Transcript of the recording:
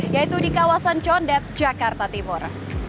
yaitu di kawasan condet jakarta timur